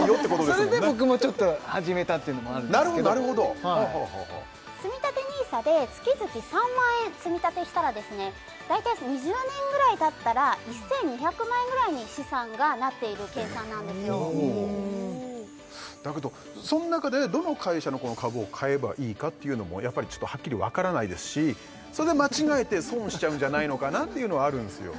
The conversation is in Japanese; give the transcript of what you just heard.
それで僕もちょっと始めたというのもあるんですけどなるほどなるほどはあはあつみたてＮＩＳＡで月々３万円積み立てしたらですね大体２０年ぐらいたったら１２００万円ぐらいに資産がなっている計算なんですよだけどその中でどの会社の株を買えばいいかっていうのもやっぱりちょっとはっきり分からないですしそれで間違えて損しちゃうんじゃないのかなっていうのはあるんですよ